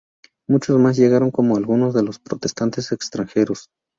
Muchos más llegaron como algunos de los protestantes extranjeros.